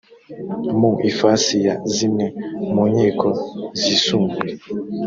mu ifasi ya zimwe mu nkiko zisumbuye